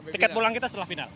tiket pulang kita setelah final